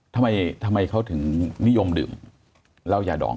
ทำไมเขาถึงนิยมดื่มเหล้ายาดอง